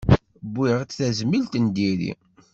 Wwiɣ-d tazmilt n diri.